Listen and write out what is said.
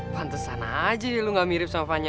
pantesan aja ya lo gak mirip sama fanya